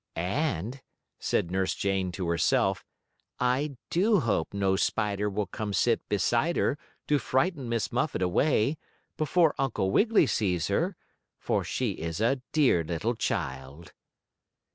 "And," said Nurse Jane to herself, "I do hope no spider will come sit beside her to frighten Miss Muffet away, before Uncle Wiggily sees her, for she is a dear little child."